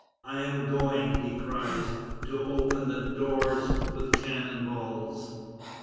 "I am going," he cries, "to open the doors with cannon balls."